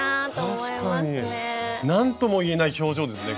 何とも言えない表情ですね